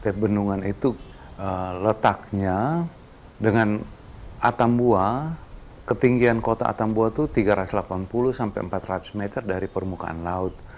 tapi bendungan itu letaknya dengan atambua ketinggian kota atambua itu tiga ratus delapan puluh sampai empat ratus meter dari permukaan laut